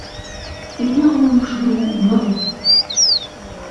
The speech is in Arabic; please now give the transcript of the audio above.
إنه يشبه أمه.